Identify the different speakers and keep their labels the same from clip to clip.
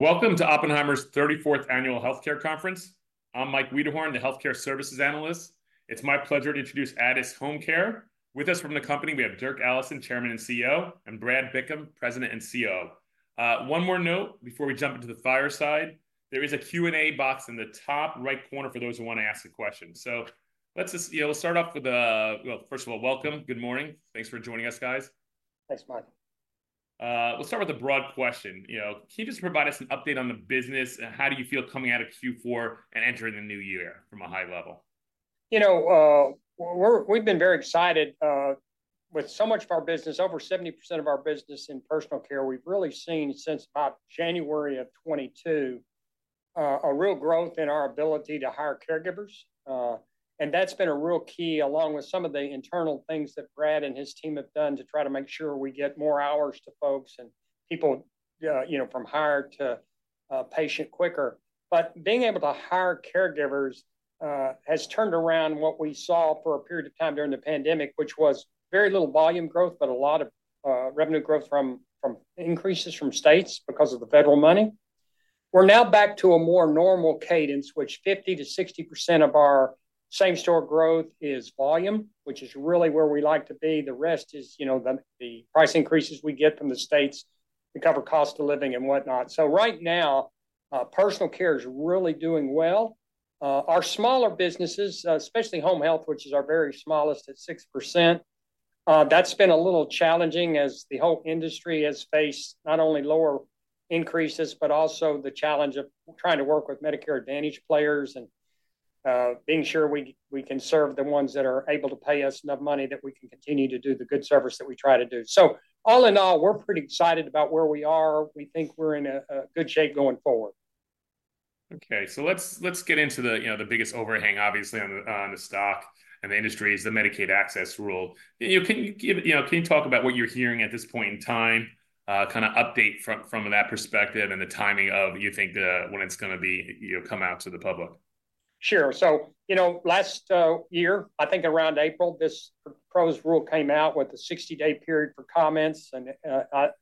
Speaker 1: Welcome to Oppenheimer's 34th Annual Healthcare Conference. I'm Mike Wiederhorn, the healthcare services analyst. It's my pleasure to introduce Addus HomeCare. With us from the company, we have Dirk Allison, Chairman and CEO, and Brad Bickham, President and COO. One more note before we jump into the fireside, there is a Q&A box in the top right corner for those who want to ask a question. So let's just, you know, start off with, well, first of all, welcome. Good morning. Thanks for joining us, guys.
Speaker 2: Thanks, Mike.
Speaker 1: We'll start with a broad question. You know, can you just provide us an update on the business, and how do you feel coming out of Q4 and entering the new year, from a high level?
Speaker 2: You know, we're-- we've been very excited, with so much of our business, over 70% of our business in personal care, we've really seen, since about January of 2022, a real growth in our ability to hire caregivers. And that's been a real key, along with some of the internal things that Brad and his team have done, to try to make sure we get more hours to folks and people, you know, from hire to patient quicker. But being able to hire caregivers has turned around what we saw for a period of time during the pandemic, which was very little volume growth, but a lot of revenue growth from increases from states because of the federal money. We're now back to a more normal cadence, which 50%-60% of our same-store growth is volume, which is really where we like to be. The rest is, you know, the price increases we get from the states to cover cost of living and whatnot. So right now, personal care is really doing well. Our smaller businesses, especially home health, which is our very smallest at 6%, that's been a little challenging, as the whole industry has faced not only lower increases, but also the challenge of trying to work with Medicare Advantage players and, being sure we can serve the ones that are able to pay us enough money that we can continue to do the good service that we try to do. So, all in all, we're pretty excited about where we are. We think we're in a good shape going forward.
Speaker 1: Okay, so let's get into the, you know, the biggest overhang, obviously, on the stock and the industry is the Medicaid Access Rule. You know, can you give... You know, can you talk about what you're hearing at this point in time? Kind of update from that perspective and the timing of you think the when it's gonna be, you know, come out to the public.
Speaker 2: Sure. So, you know, last year, I think around April, this proposed rule came out with a 60-day period for comments. And,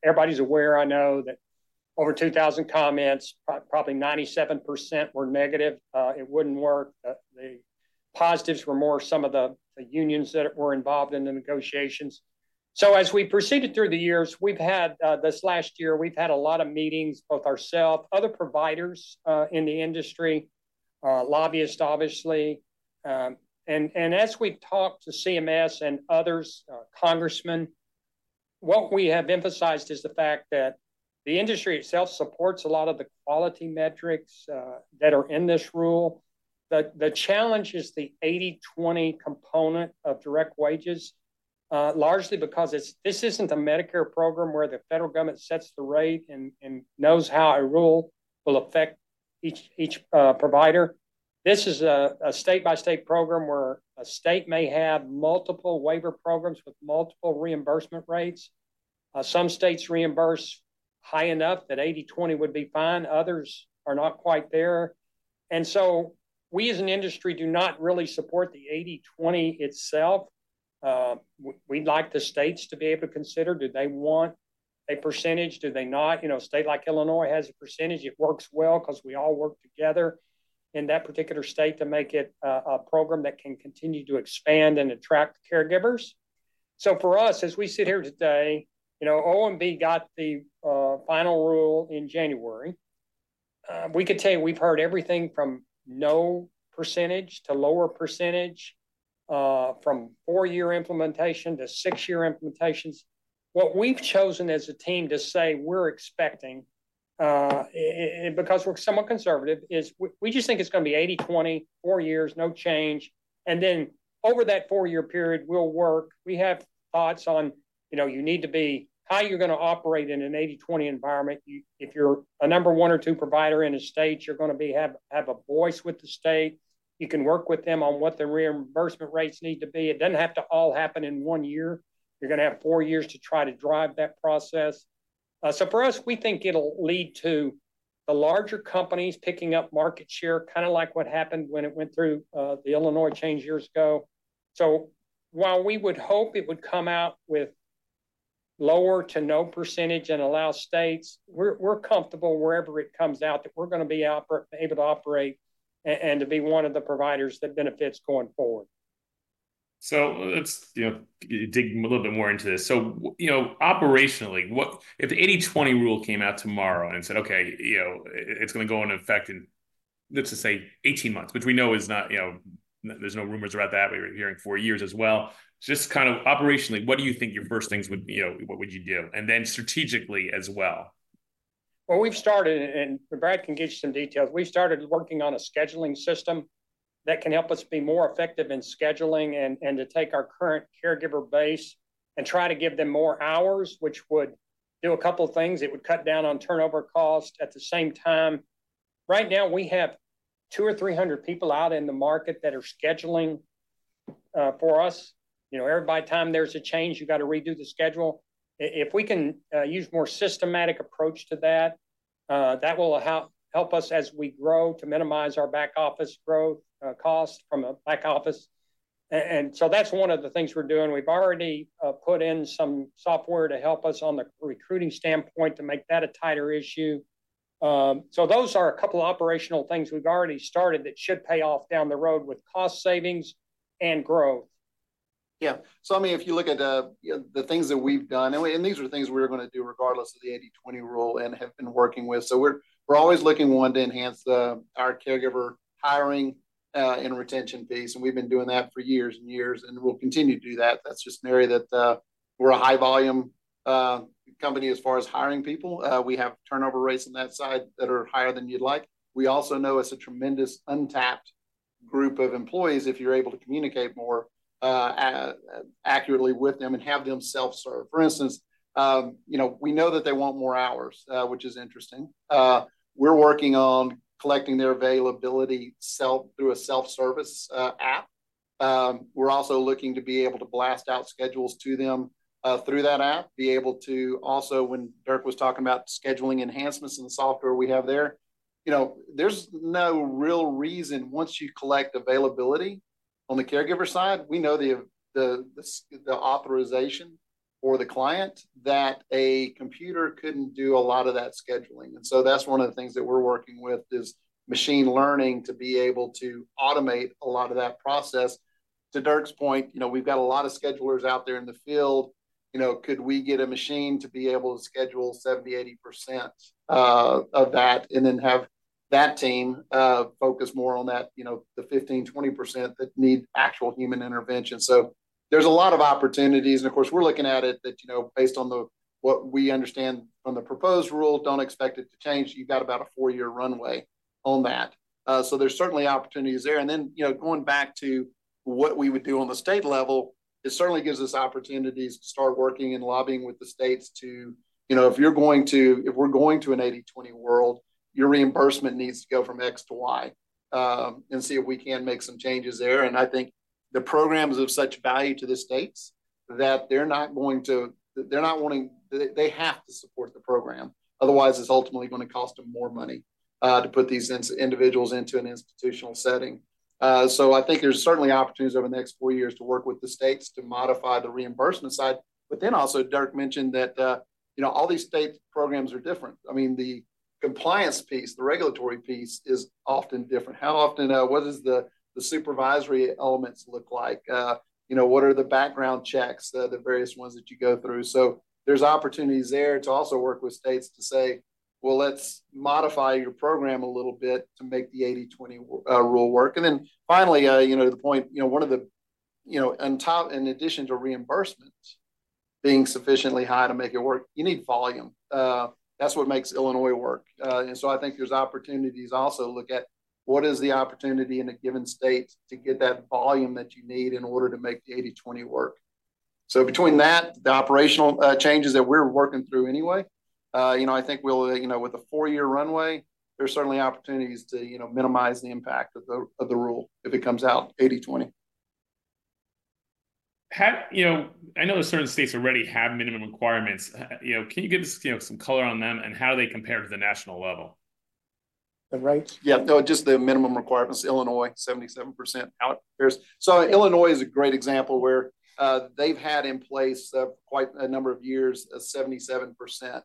Speaker 2: everybody's aware, I know, that over 2,000 comments, probably 97% were negative. It wouldn't work. The positives were more some of the, the unions that were involved in the negotiations. So, as we proceeded through the years, we've had, this last year, we've had a lot of meetings, both ourself, other providers, in the industry, lobbyists, obviously. And, and as we've talked to CMS and others, congressmen, what we have emphasized is the fact that the industry itself supports a lot of the quality metrics, that are in this rule. The challenge is the 80/20 component of direct wages, largely because it's, this isn't a Medicare program where the federal government sets the rate and knows how a rule will affect each provider. This is a state-by-state program where a state may have multiple waiver programs with multiple reimbursement rates. Some states reimburse high enough that 80/20 would be fine, others are not quite there. And so, we, as an industry, do not really support the 80/20 itself. We'd like the states to be able to consider, do they want a percentage, do they not? You know, a state like Illinois has a percentage. It works well 'cause we all work together in that particular state to make it a program that can continue to expand and attract caregivers. So, for us, as we sit here today, you know, OMB got the final rule in January. We could tell you we've heard everything from no percentage to lower percentage, from 4-year implementation to 6-year implementations. What we've chosen as a team to say we're expecting, and because we're somewhat conservative, is we just think it's gonna be 80/20, 4 years, no change, and then over that 4-year period, we'll work. We have thoughts on, you know, you need to be... How you're gonna operate in an 80/20 environment. If you're a number one or two provider in a state, you're gonna be, have a voice with the state. You can work with them on what the reimbursement rates need to be. It doesn't have to all happen in one year. You're gonna have 4 years to try to drive that process. So, for us, we think it'll lead to the larger companies picking up market share, kind of like what happened when it went through, the Illinois change years ago. So, while we would hope it would come out with lower to no percentage and allow states, we're comfortable wherever it comes out, that we're gonna be able to operate and to be one of the providers that benefits going forward.
Speaker 1: So let's, you know, dig a little bit more into this. So, you know, operationally, what if the 80/20 rule came out tomorrow and said, "Okay, you know, it's gonna go into effect in, let's just say, 18 months," which we know is not, you know, there's no rumors about that, we're hearing 4 years as well. Just kind of operationally, what do you think your first things would, you know, what would you do, and then strategically as well?
Speaker 2: Well, we've started, and Brad can get you some details. We've started working on a scheduling system that can help us be more effective in scheduling and to take our current caregiver base and try to give them more hours, which would do a couple things. It would cut down on turnover cost at the same time. Right now, we have 200 or 300 people out in the market that are scheduling for us. You know, every, by the time there's a change, you've got to redo the schedule. If we can use more systematic approach to that, that will help us as we grow to minimize our back office growth cost from a back office, and so that's one of the things we're doing. We've already put in some software to help us on the recruiting standpoint, to make that a tighter issue. So those are a couple operational things we've already started that should pay off down the road with cost savings and growth.
Speaker 3: Yeah. So I mean, if you look at, you know, the things that we've done, and these are things we were gonna do regardless of the 80/20 rule, and have been working with. So we're always looking, one, to enhance our caregiver hiring and retention piece, and we've been doing that for years and years, and we'll continue to do that. That's just an area that we're a high-volume company as far as hiring people. We have turnover rates on that side that are higher than you'd like. We also know it's a tremendous untapped group of employees if you're able to communicate more accurately with them and have them self-serve. For instance, you know, we know that they want more hours, which is interesting. We're working on collecting their availability through a self-service app. We're also looking to be able to blast out schedules to them through that app, be able to also... When Dirk was talking about scheduling enhancements in the software we have there, you know, there's no real reason, once you collect availability on the caregiver side, we know the authorization for the client, that a computer couldn't do a lot of that scheduling. And so that's one of the things that we're working with, is machine learning, to be able to automate a lot of that process. To Dirk's point, you know, we've got a lot of schedulers out there in the field, you know. Could we get a machine to be able to schedule 70%-80% of that, and then have that team focus more on that, you know, the 15%-20% that need actual human intervention? So there's a lot of opportunities, and of course, we're looking at it that, you know, based on the, what we understand from the proposed rule, don't expect it to change. You've got about a 4-year runway on that. So there's certainly opportunities there. And then, you know, going back to what we would do on the state level, it certainly gives us opportunities to start working and lobbying with the states to... You know, if we're going to an 80/20 world, your reimbursement needs to go from X to Y, and see if we can make some changes there. I think the program is of such value to the states that they're not going to... they're not wanting, they have to support the program, otherwise it's ultimately gonna cost them more money to put these individuals into an institutional setting. So I think there's certainly opportunities over the next four years to work with the states to modify the reimbursement side. But then also, Dirk mentioned that, you know, all these state programs are different. I mean, the compliance piece, the regulatory piece, is often different. How often, what does the supervisory elements look like? You know, what are the background checks, the various ones that you go through? So there's opportunities there to also work with states to say, "Well, let's modify your program a little bit to make the 80/20 rule work." And then finally, you know, to the point, you know, one of the... You know, in addition to reimbursements being sufficiently high to make it work, you need volume. That's what makes Illinois work. and so I think there's opportunities also to look at, what is the opportunity in a given state to get that volume that you need in order to make the 80/20 work? So between that, the operational, changes that we're working through anyway, you know, I think we'll, you know, with a four-year runway, there's certainly opportunities to, you know, minimize the impact of the, of the rule if it comes out 80/20.
Speaker 1: You know, I know that certain states already have minimum requirements. You know, can you give us, you know, some color on them, and how they compare to the national level?
Speaker 2: The rates?
Speaker 3: Yeah, no, just the minimum requirements. Illinois, 77% out. So Illinois is a great example, where they've had in place for quite a number of years, a 77%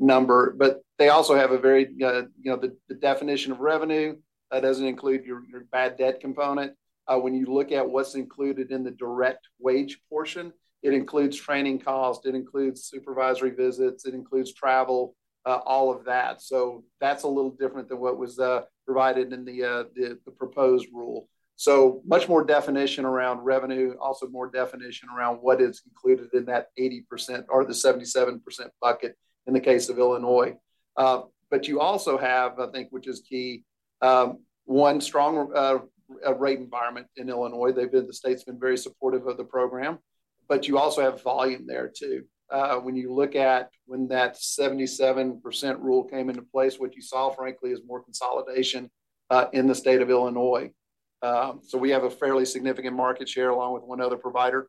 Speaker 3: number. But they also have a very, you know, the definition of revenue, that doesn't include your bad debt component. When you look at what's included in the direct wage portion, it includes training costs, it includes supervisory visits, it includes travel, all of that. So that's a little different than what was provided in the proposed rule. So much more definition around revenue, also more definition around what is included in that 80%, or the 77% bucket, in the case of Illinois. But you also have, I think, which is key, one strong rate environment in Illinois. They've been, the state's been very supportive of the program. But you also have volume there, too. When you look at when that 77% rule came into place, what you saw, frankly, is more consolidation in the state of Illinois. So we have a fairly significant market share, along with one other provider,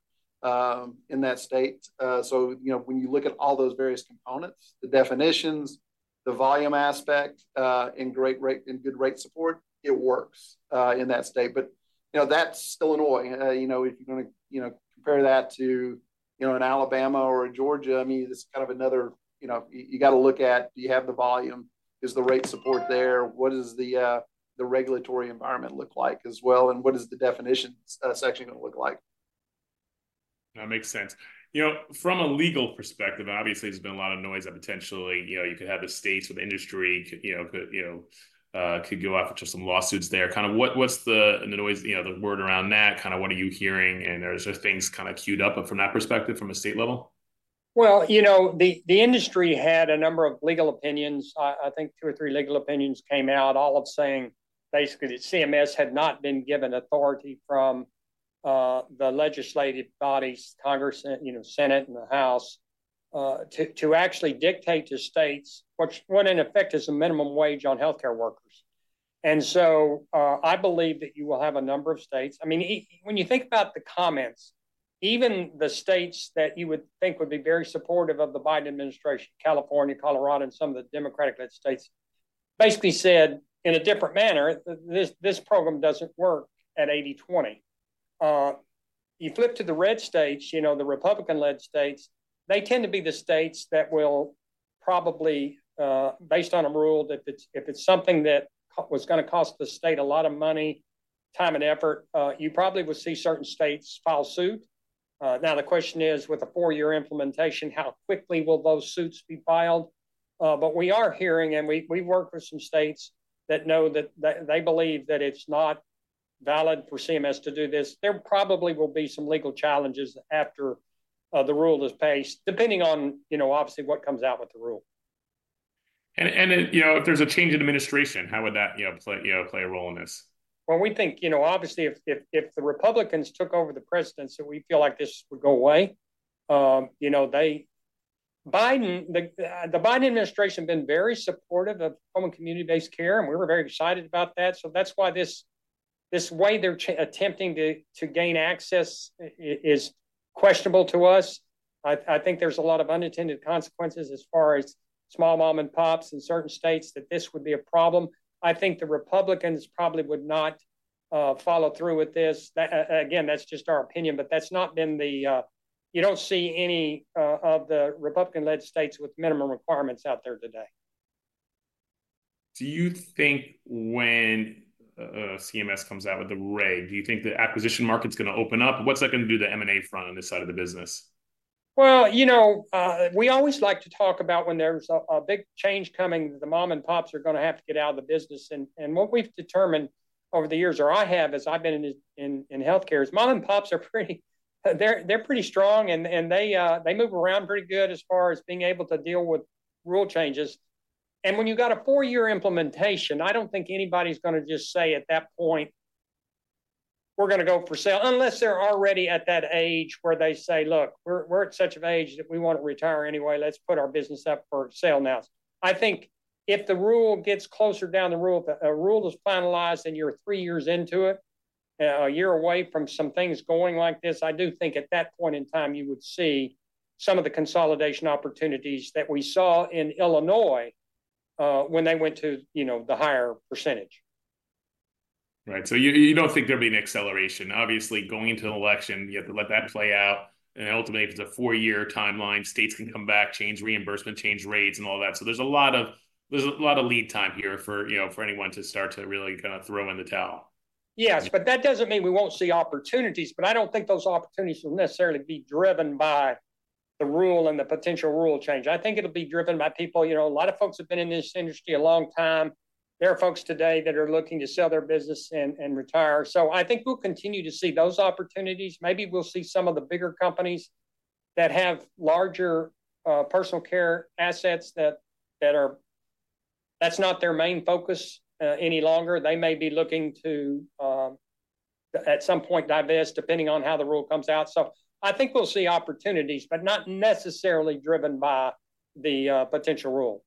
Speaker 3: in that state. So, you know, when you look at all those various components, the definitions, the volume aspect, and great rate, and good rate support, it works in that state. But, you know, that's Illinois. You know, if you're gonna, you know, compare that to, you know, in Alabama or in Georgia, I mean, it's kind of another, you know. You gotta look at, do you have the volume? Is the rate support there? What is the regulatory environment look like as well, and what is the definition section gonna look like?
Speaker 1: That makes sense. You know, from a legal perspective, obviously there's been a lot of noise that potentially, you know, you could have the states or the industry, you know, could go off to some lawsuits there. Kind of what's the noise, you know, the word around that? Kind of what are you hearing, and are things kind of cued up, from that perspective, from a state level?
Speaker 2: Well, you know, the industry had a number of legal opinions. I think two or three legal opinions came out, all of saying basically that CMS had not been given authority from the legislative bodies, Congress, and, you know, Senate, and the House to actually dictate to states what in effect is a minimum wage on healthcare workers. And so I believe that you will have a number of states. I mean, when you think about the comments, even the states that you would think would be very supportive of the Biden administration, California, Colorado, and some of the Democratic-led states basically said in a different manner, this program doesn't work at 80/20. You flip to the red states, you know, the Republican-led states, they tend to be the states that will probably, based on a rule, that if it's, if it's something that was gonna cost the state a lot of money, time, and effort, you probably would see certain states file suit. Now, the question is, with a four-year implementation, how quickly will those suits be filed? But we are hearing, and we, we've worked with some states that know that, that they believe that it's not valid for CMS to do this. There probably will be some legal challenges after, the rule is passed, depending on, you know, obviously, what comes out with the rule.
Speaker 1: And, you know, if there's a change in administration, how would that, you know, play a role in this?
Speaker 2: Well, we think, you know, obviously, if the Republicans took over the presidency, we feel like this would go away. You know, they, Biden, the Biden administration been very supportive of home- and community-based care, and we were very excited about that, so that's why this way they're attempting to gain access is questionable to us. I think there's a lot of unintended consequences as far as small mom and pops in certain states, that this would be a problem. I think the Republicans probably would not follow through with this. That, again, that's just our opinion, but that's not been the. You don't see any of the Republican-led states with minimum requirements out there today.
Speaker 1: Do you think when CMS comes out with the reg, do you think the acquisition market's gonna open up? What's that gonna do to the M&A front on this side of the business?
Speaker 2: Well, you know, we always like to talk about when there's a big change coming, the mom and pops are gonna have to get out of the business. And what we've determined over the years, or I have, as I've been in this in healthcare, is mom and pops are pretty, they're pretty strong, and they move around pretty good as far as being able to deal with rule changes. And when you got a four-year implementation, I don't think anybody's gonna just say at that point, "We're gonna go for sale," unless they're already at that age where they say, "Look, we're at such an age that we want to retire anyway. Let's put our business up for sale now." I think if the rule gets closer down the road, a rule is finalized and you're three years into it, a year away from some things going like this. I do think at that point in time you would see some of the consolidation opportunities that we saw in Illinois, when they went to, you know, the higher percentage.
Speaker 1: Right, so you don't think there'll be an acceleration. Obviously, going into an election, you have to let that play out, and ultimately, it's a four-year timeline. States can come back, change reimbursement, change rates, and all that, so there's a lot of lead time here for, you know, for anyone to start to really kinda throw in the towel.
Speaker 2: Yes, but that doesn't mean we won't see opportunities, but I don't think those opportunities will necessarily be driven by the rule and the potential rule change. I think it'll be driven by people. You know, a lot of folks have been in this industry a long time. There are folks today that are looking to sell their business and retire. So I think we'll continue to see those opportunities. Maybe we'll see some of the bigger companies that have larger personal care assets that are not their main focus any longer. They may be looking to, at some point, divest, depending on how the rule comes out. So I think we'll see opportunities, but not necessarily driven by the potential rule.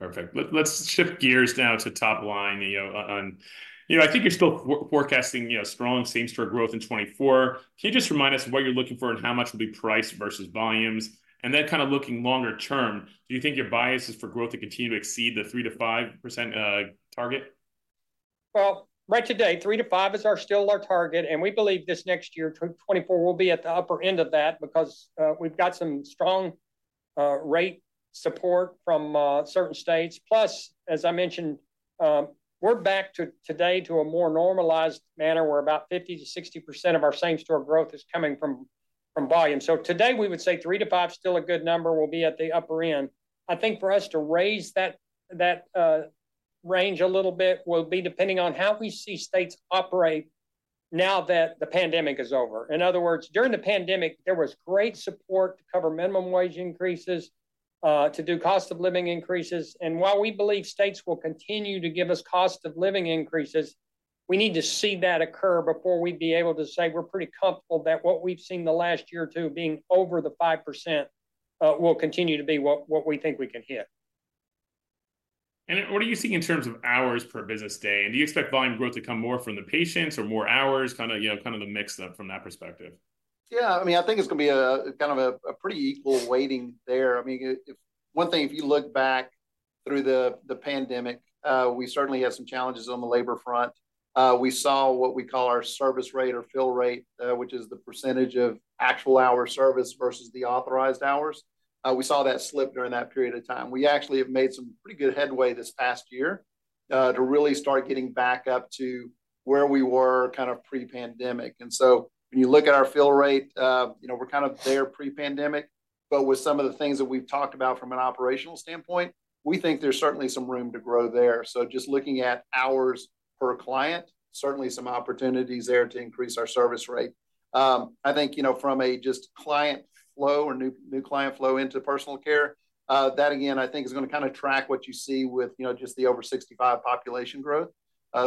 Speaker 1: Perfect. Let's shift gears now to top line, you know, on. You know, I think you're still forecasting, you know, strong same-store growth in 2024. Can you just remind us what you're looking for and how much will be price versus volumes? And then kind of looking longer term, do you think your bias is for growth to continue to exceed the 3%-5% target?
Speaker 2: Well, right today, 3-5 is our, still our target, and we believe next year, 2024, we'll be at the upper end of that because we've got some strong rate support from certain states. Plus, as I mentioned, we're back today to a more normalized manner, where about 50%-60% of our same store growth is coming from volume. So today, we would say 3-5's still a good number. We'll be at the upper end. I think for us to raise that range a little bit will be depending on how we see states operate now that the pandemic is over. In other words, during the pandemic, there was great support to cover minimum wage increases, to do cost-of-living increases, and while we believe states will continue to give us cost-of-living increases, we need to see that occur before we'd be able to say we're pretty comfortable that what we've seen the last year or two being over the 5%, will continue to be what we think we can hit.
Speaker 1: What are you seeing in terms of hours per business day? Do you expect volume growth to come more from the patients or more hours? Kinda, you know, kind of the mix then from that perspective.
Speaker 3: Yeah, I mean, I think it's gonna be a kind of a pretty equal weighting there. I mean, if one thing, if you look back through the pandemic, we certainly had some challenges on the labor front. We saw what we call our service rate or fill rate, which is the percentage of actual hours served versus the authorized hours, we saw that slip during that period of time. We actually have made some pretty good headway this past year to really start getting back up to where we were kind of pre-pandemic. And so when you look at our fill rate, you know, we're kind of there pre-pandemic, but with some of the things that we've talked about from an operational standpoint, we think there's certainly some room to grow there. So just looking at hours per client, certainly some opportunities there to increase our service rate. I think, you know, from a just client flow or new, new client flow into personal care, that again, I think, is gonna kinda track what you see with, you know, just the over 65 population growth.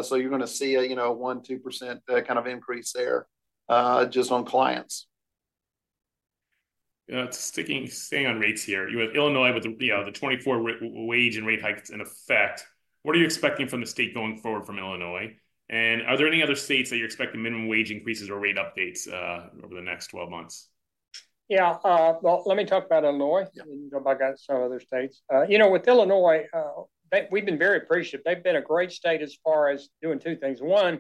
Speaker 3: So you're gonna see a, you know, 1%-2% kind of increase there, just on clients.
Speaker 1: Yeah, staying on rates here. You have Illinois with the, you know, the 2024 wage and rate hikes in effect. What are you expecting from the state going forward from Illinois? And are there any other states that you expect the minimum wage increases or rate updates over the next 12 months?...
Speaker 2: Yeah, well, let me talk about Illinois-
Speaker 1: Yeah.
Speaker 2: And then you can talk about some other states. You know, with Illinois, they-- we've been very appreciative. They've been a great state as far as doing two things. One,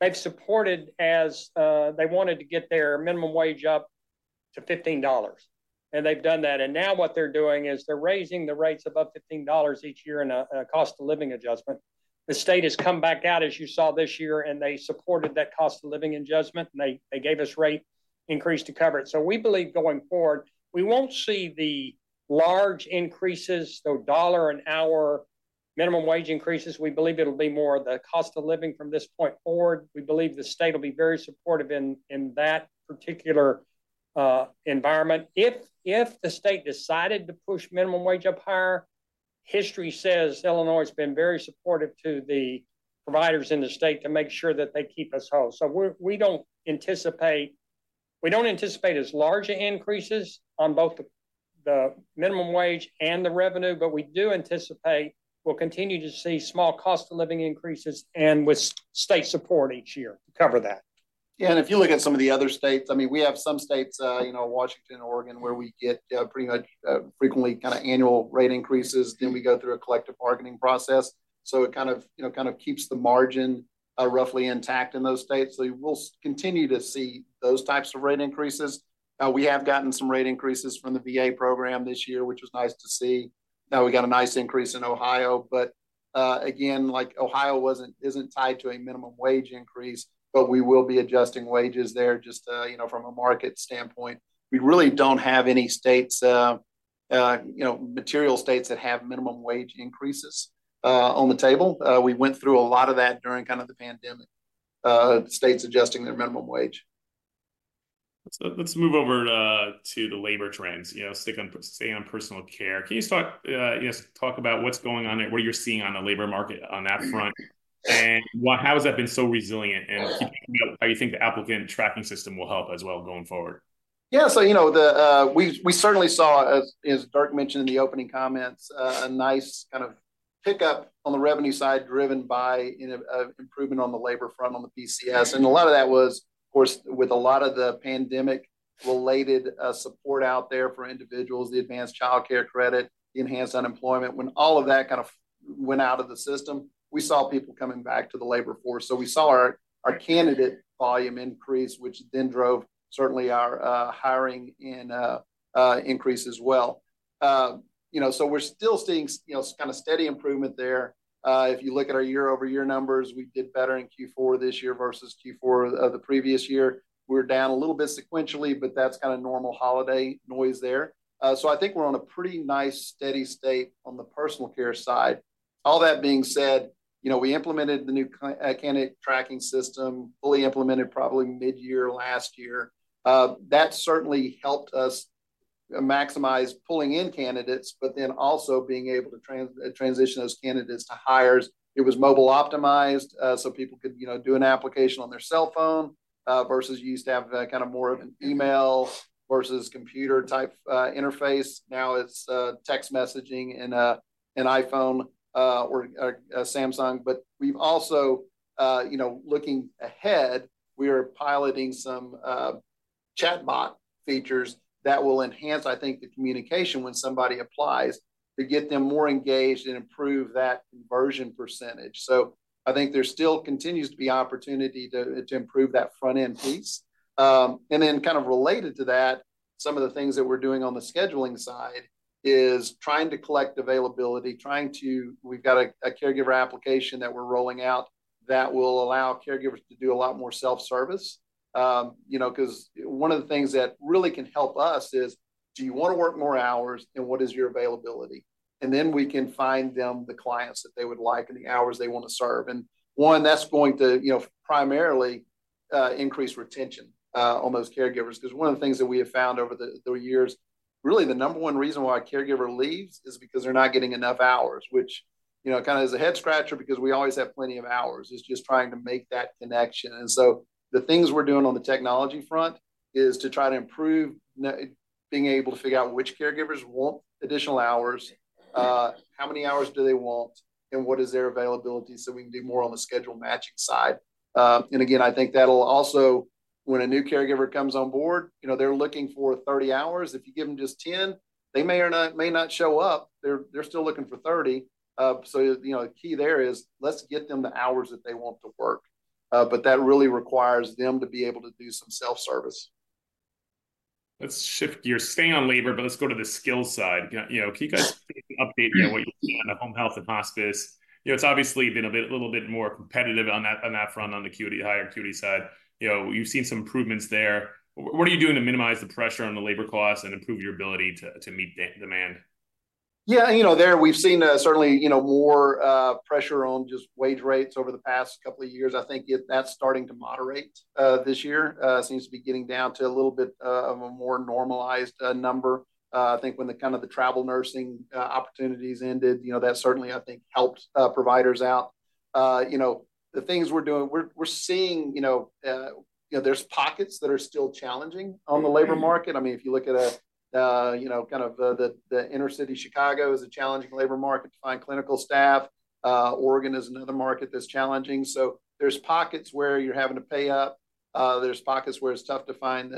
Speaker 2: they've supported as they wanted to get their minimum wage up to $15, and they've done that. And now what they're doing is they're raising the rates above $15 each year in a cost of living adjustment. The state has come back out, as you saw this year, and they supported that cost of living adjustment, and they gave us rate increase to cover it. So we believe going forward, we won't see the large increases, the $1-an-hour minimum wage increases. We believe it'll be more of the cost of living from this point forward. We believe the state will be very supportive in that particular environment. If the state decided to push minimum wage up higher, history says Illinois has been very supportive to the providers in the state to make sure that they keep us whole. So we don't anticipate as large of increases on both the minimum wage and the revenue, but we do anticipate we'll continue to see small cost of living increases and with state support each year to cover that.
Speaker 3: Yeah, and if you look at some of the other states, I mean, we have some states, you know, Washington, Oregon, where we get, pretty much, frequently kinda annual rate increases, then we go through a collective bargaining process. So it kind of, you know, kind of keeps the margin, roughly intact in those states. So we'll continue to see those types of rate increases. We have gotten some rate increases from the VA program this year, which was nice to see. Now, we got a nice increase in Ohio, but, again, like, Ohio isn't tied to a minimum wage increase, but we will be adjusting wages there, just, you know, from a market standpoint. We really don't have any states, you know, material states that have minimum wage increases, on the table. We went through a lot of that during kind of the pandemic, states adjusting their minimum wage.
Speaker 1: So let's move over to the labor trends. You know, stick on, stay on personal care. Can you talk, just talk about what's going on and what you're seeing on the labor market on that front? And why, how has that been so resilient, and how do you think the applicant tracking system will help as well going forward?
Speaker 3: Yeah. So, you know, the, we certainly saw, as Dirk mentioned in the opening comments, a nice kind of pickup on the revenue side, driven by an improvement on the labor front, on the PCS. And a lot of that was, of course, with a lot of the pandemic-related support out there for individuals, the advanced childcare credit, enhanced unemployment. When all of that kind of went out of the system, we saw people coming back to the labor force. So we saw our candidate volume increase, which then drove certainly our hiring and increase as well. You know, so we're still seeing, you know, kinda steady improvement there. If you look at our year-over-year numbers, we did better in Q4 this year versus Q4 of the previous year. We're down a little bit sequentially, but that's kinda normal holiday noise there. So I think we're on a pretty nice, steady state on the personal care side. All that being said, you know, we implemented the new candidate tracking system, fully implemented probably mid-year last year. That certainly helped us maximize pulling in candidates, but then also being able to transition those candidates to hires. It was mobile optimized, so people could, you know, do an application on their cell phone, versus used to have the kind of more of an email versus computer-type interface. Now it's text messaging in an iPhone or a Samsung. But we've also, you know, looking ahead, we are piloting some chatbot features that will enhance, I think, the communication when somebody applies, to get them more engaged and improve that conversion percentage. So I think there still continues to be opportunity to improve that front-end piece. And then kind of related to that, some of the things that we're doing on the scheduling side is trying to collect availability. We've got a caregiver application that we're rolling out that will allow caregivers to do a lot more self-service. You know, 'cause one of the things that really can help us is, do you want to work more hours, and what is your availability? And then we can find them the clients that they would like and the hours they want to serve. And one, that's going to, you know, primarily increase retention on those caregivers. 'Cause one of the things that we have found over the years, really, the number one reason why a caregiver leaves is because they're not getting enough hours, which, you know, kind of is a head-scratcher because we always have plenty of hours. It's just trying to make that connection. And so the things we're doing on the technology front is to try to improve being able to figure out which caregivers want additional hours, how many hours do they want, and what is their availability, so we can do more on the schedule matching side. And again, I think that'll also... When a new caregiver comes on board, you know, they're looking for 30 hours. If you give them just 10, they may or not, may not show up. They're still looking for 30. So, you know, the key there is, let's get them the hours that they want to work, but that really requires them to be able to do some self-service.
Speaker 1: Let's shift gear. Stay on labor, but let's go to the skill side. You know, can you guys update me on what you see on the home health and hospice? You know, it's obviously been a bit, little bit more competitive on that, on that front, on the acuity, higher acuity side. You know, you've seen some improvements there. What are you doing to minimize the pressure on the labor costs and improve your ability to meet demand?
Speaker 3: Yeah, you know, there we've seen certainly, you know, more pressure on just wage rates over the past couple of years. I think that's starting to moderate this year. Seems to be getting down to a little bit of a more normalized number. I think when the kind of travel nursing opportunities ended, you know, that certainly, I think, helped providers out. You know, the things we're doing, we're seeing, you know, there's pockets that are still challenging on the labor market. I mean, if you look at, you know, kind of, the inner city Chicago is a challenging labor market to find clinical staff. Oregon is another market that's challenging. So there's pockets where you're having to pay up. There's pockets where it's tough to find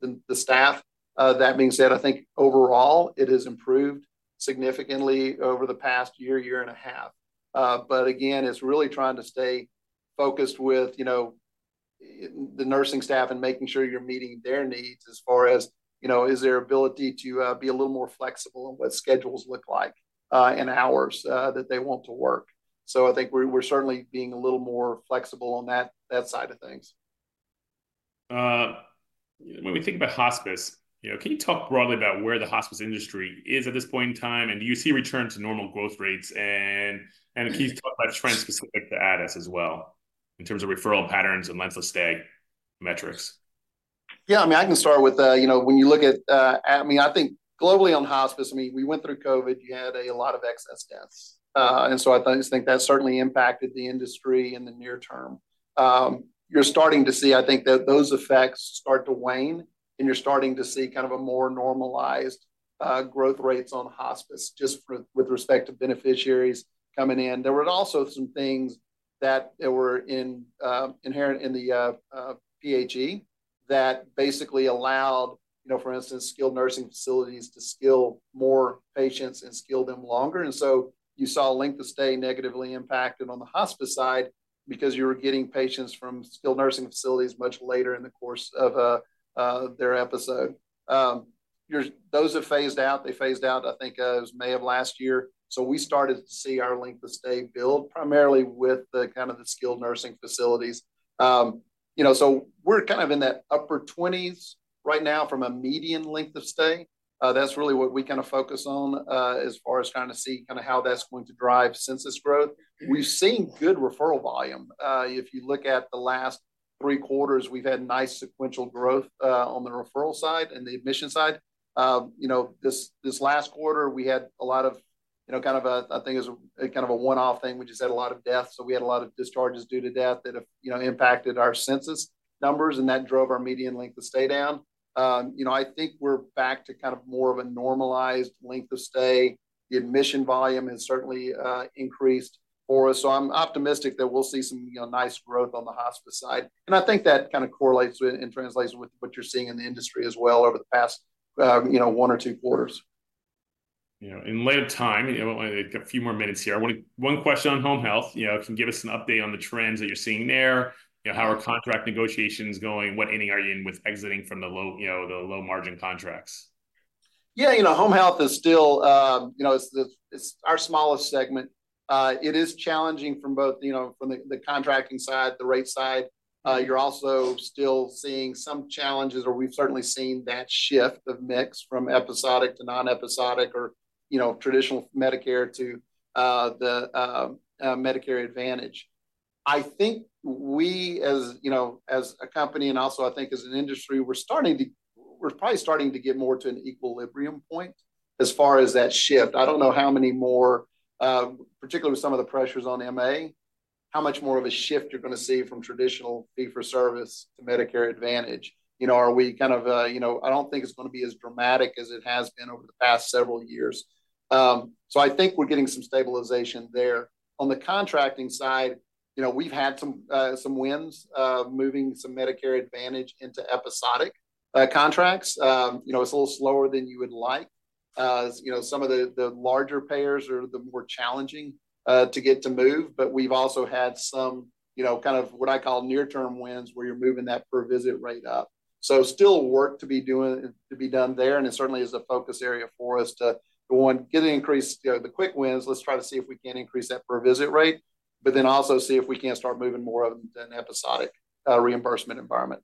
Speaker 3: the staff. That being said, I think overall, it has improved significantly over the past year and a half. But again, it's really trying to stay focused with, you know, the nursing staff, and making sure you're meeting their needs as far as, you know, is there ability to be a little more flexible in what schedules look like, and hours that they want to work. So I think we're certainly being a little more flexible on that side of things.
Speaker 1: When we think about hospice, you know, can you talk broadly about where the hospice industry is at this point in time, and do you see a return to normal growth rates? And can you talk about trends specific to Addus as well, in terms of referral patterns and length of stay metrics?
Speaker 3: Yeah, I mean, I can start with, you know, when you look at, I mean, I think globally on hospice, I mean, we went through COVID. You had a lot of excess deaths. And so I just think that certainly impacted the industry in the near term. You're starting to see, I think, that those effects start to wane, and you're starting to see kind of a more normalized, growth rates on hospice, just for, with respect to beneficiaries coming in. There were also some things that were in, inherent in the, PHE, that basically allowed, you know, for instance, skilled nursing facilities to skill more patients and skill them longer. And so you saw length of stay negatively impacted on the hospice side, because you were getting patients from skilled nursing facilities much later in the course of their episode. Those have phased out. They phased out, I think, it was May of last year. So we started to see our length of stay build, primarily with the kind of the skilled nursing facilities. You know, so we're kind of in that upper twenties right now from a median length of stay. That's really what we kinda focus on, as far as trying to see kinda how that's going to drive census growth. We've seen good referral volume. If you look at the last three quarters, we've had nice sequential growth, on the referral side and the admission side. You know, this last quarter, we had a lot of, you know, kind of a, I think it was, a kind of a one-off thing, we just had a lot of deaths, so we had a lot of discharges due to death that have, you know, impacted our census numbers, and that drove our median length of stay down. You know, I think we're back to kind of more of a normalized length of stay. The admission volume has certainly increased for us. So I'm optimistic that we'll see some, you know, nice growth on the hospice side. And I think that kind of correlates with, and translates with what you're seeing in the industry as well over the past, you know, one or two quarters.
Speaker 1: You know, in lieu of time, you know, a few more minutes here. One, one question on home health, you know, can you give us an update on the trends that you're seeing there? You know, how are contract negotiations going? What inning are you in with exiting from the low, you know, the low-margin contracts?
Speaker 3: Yeah, you know, home health is still, you know, it's the, it's our smallest segment. It is challenging from both, you know, from the, the contracting side, the rate side. You're also still seeing some challenges, or we've certainly seen that shift of mix from episodic to non-episodic or, you know, traditional Medicare to, the, Medicare Advantage. I think we, as, you know, as a company and also, I think, as an industry, we're starting to... We're probably starting to get more to an equilibrium point as far as that shift. I don't know how many more, particularly with some of the pressures on MA, how much more of a shift you're going to see from traditional fee-for-service to Medicare Advantage. You know, are we kind of, You know, I don't think it's going to be as dramatic as it has been over the past several years. So I think we're getting some stabilization there. On the contracting side, you know, we've had some some wins, moving some Medicare Advantage into episodic contracts. You know, it's a little slower than you would like. You know, some of the, the larger payers are the more challenging to get to move, but we've also had some, you know, kind of what I call near-term wins, where you're moving that per visit rate up. So still work to be doing, to be done there, and it certainly is a focus area for us to, to want getting increased, you know, the quick wins. Let's try to see if we can increase that per visit rate, but then also see if we can't start moving more of them to an episodic reimbursement environment.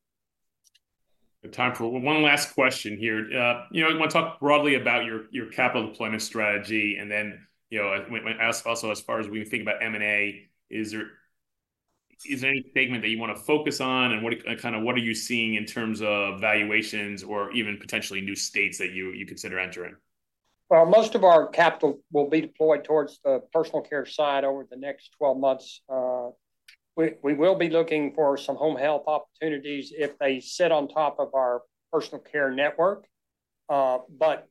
Speaker 1: Time for one last question here. You know, I want to talk broadly about your, your capital deployment strategy, and then, you know, when, when, as also as far as when you think about M&A, is there, is there any segment that you want to focus on, and what, kind of what are you seeing in terms of valuations or even potentially new states that you, you consider entering?
Speaker 2: Well, most of our capital will be deployed towards the personal care side over the next 12 months. We will be looking for some home health opportunities if they sit on top of our personal care network. But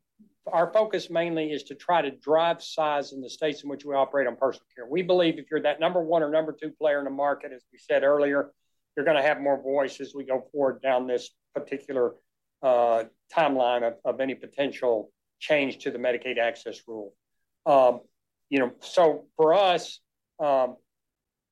Speaker 2: our focus mainly is to try to drive size in the states in which we operate on personal care. We believe if you're that number one or number two player in the market, as we said earlier, you're going to have more voice as we go forward down this particular timeline of any potential change to the Medicaid Access Rule. You know, so for us,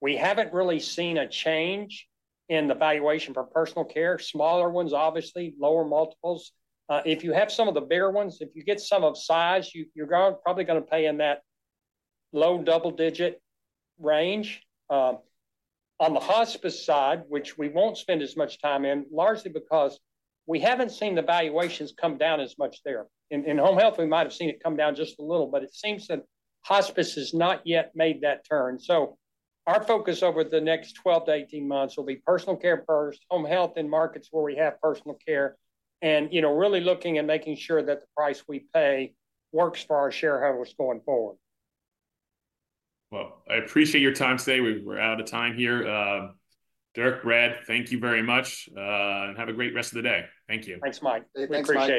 Speaker 2: we haven't really seen a change in the valuation for personal care. Smaller ones, obviously, lower multiples. If you have some of the bigger ones, if you get some of size, you're probably going to pay in that low double digit range. On the hospice side, which we won't spend as much time in, largely because we haven't seen the valuations come down as much there. In home health, we might have seen it come down just a little, but it seems that hospice has not yet made that turn. So our focus over the next 12-18 months will be personal care first, home health in markets where we have personal care, and, you know, really looking and making sure that the price we pay works for our shareholders going forward.
Speaker 1: Well, I appreciate your time today. We're out of time here. Dirk, Brad, thank you very much, and have a great rest of the day. Thank you.
Speaker 2: Thanks, Mike.
Speaker 3: Thanks, Mike.
Speaker 1: Appreciate it.